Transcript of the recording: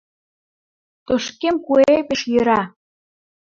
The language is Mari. Тошкем куэ пеш йӧра.